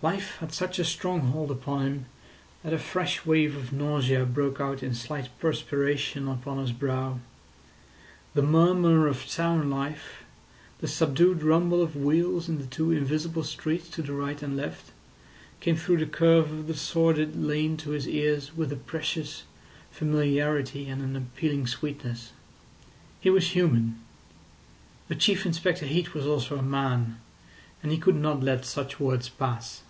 Life had such a strong hold upon him that a fresh wave of nausea broke out in slight perspiration upon his brow. The murmur of town life, the subdued rumble of wheels in the two invisible streets to the right and left, came through the curve of the sordid lane to his ears with a precious familiarity and an appealing sweetness. He was human. But Chief Inspector Heat was also a man, and he could not let such words pass.